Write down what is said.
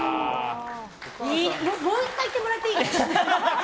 もう１回言ってもらっていい？